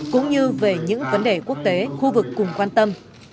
cũng như về những vấn đề quốc tế khu vực cùng quan tâm